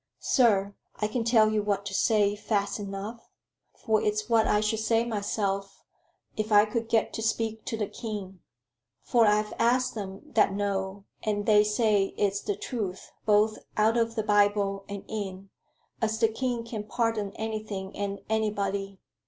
"Sir, I can tell you what to say fast enough; for it's what I should say myself if I could get to speak to the king. For I've asked them that know, and they say it's the truth, both out of the Bible, and in, as the king can pardon anything and anybody.